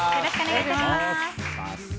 よろしくお願いします。